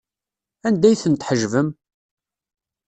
Anda ay ten-tḥejbem?